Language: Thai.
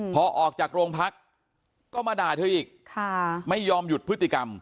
พอออกจากโรงพักก็มาด่าเธออีกไม่ยอมหยุดพฤติกรรม